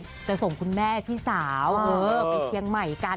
จะส่งคุณแม่พี่สาวไปเชียงใหม่กัน